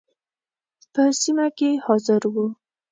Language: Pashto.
په سیمه کې حاضر وو.